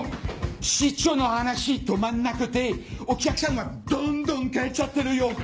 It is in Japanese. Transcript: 市長の話止まんなくてお客さんがどんどん帰っちゃってるよ！